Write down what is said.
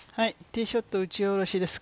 ティーショット打ち下ろしです。